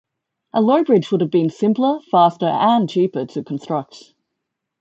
A low bridge would have been simpler, faster, and cheaper to construct.